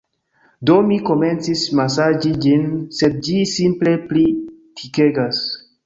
Do, mi komencis masaĝi ĝin sed ĝi simple pli tikegas